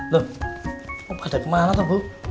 loh kok ada kemana tuh bu